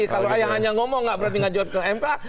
kalau yang hanya ngomong nggak berarti ngajukan ke mk